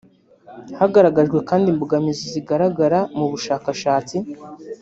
Hagaragajwe kandi imbogamizi zigaragara mu bushakashatsi